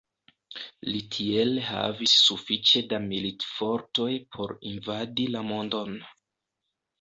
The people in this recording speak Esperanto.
Li tiel havis sufiĉe da militfortoj por invadi la mondon.